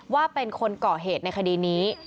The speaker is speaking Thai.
ว่าเป็นคนเกาะเหตุในคดีนี้